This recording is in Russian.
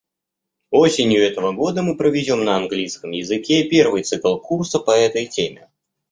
Осенью этого года мы проведем на английском языке первый цикл курса по этой теме.